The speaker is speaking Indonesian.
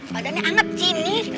padanya anget sini